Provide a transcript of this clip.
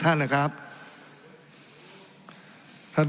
ทั้งสองกรณีผลเอกประยุทธ์